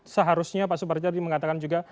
seharusnya pak suparjadi mengatakan juga